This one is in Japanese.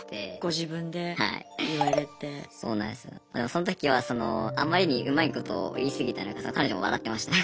その時はそのあまりにうまいことを言い過ぎたのか彼女も笑ってました。